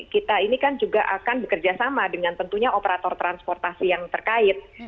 kita ini kan juga akan bekerja sama dengan tentunya operator transportasi yang terkait